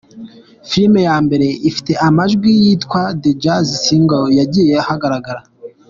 Filime ya mbere ifite amajwi yitwa The Jazz Singer, yagiye ahagaragara.